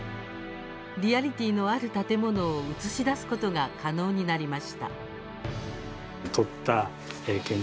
リアリティーのある建物を映し出すことが可能になりました。